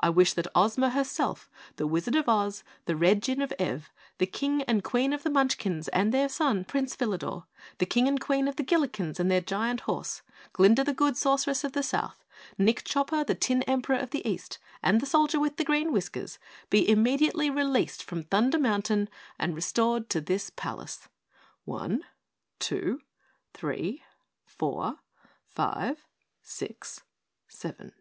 I wish that Ozma herself, the Wizard of Oz, the Red Jinn of Ev, the King and Queen of the Munchkins and their son Prince Philador, the King and Queen of the Gillikens and their giant horse, Glinda the Good Sorceress of the South, Nick Chopper the Tin Emperor of the East, and the Soldier with the Green Whiskers be immediately released from Thunder Mountain and restored to this palace. One two three four five six seven."